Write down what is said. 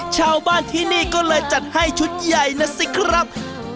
ชาวบ้านที่นี่ก็เลยจัดให้ชุดใหญ่นะสิครับ